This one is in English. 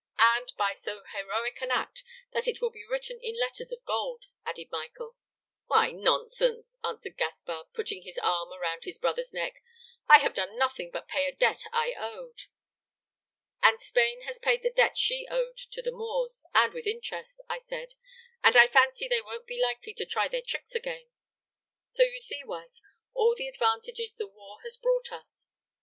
"'And by so heroic an act that it will be written in letters of gold,' added Michael. "'Why, nonsense," answered Gaspar, putting his arm around his brother's neck; 'I have done nothing but pay a debt I owed.' "'And Spain has paid the debt she owed to the Moors, and with interest,' I said; and I fancy they won't be likely to try their tricks again. So you see, wife, all the advantages the war has brought us.